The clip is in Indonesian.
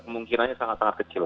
kemungkinannya sangat sangat kecil